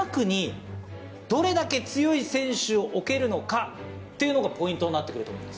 どれだけ強い選手を置けるのかっていうのがというのがポイントになってくると思うんです。